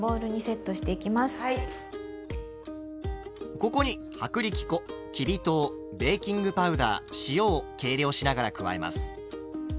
ここに薄力粉きび糖ベーキングパウダー塩を計量しながら加えます。